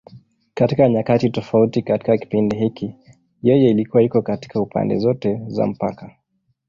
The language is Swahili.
Katika nyakati tofauti katika kipindi hiki, yeye ilikuwa iko katika pande zote za mpaka.